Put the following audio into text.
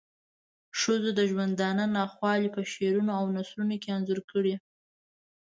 ښځو د ژوندانه ناخوالی په شعرونو او نثرونو کې انځور کړې.